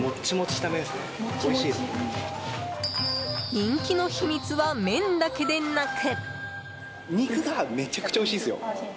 人気の秘密は麺だけでなく。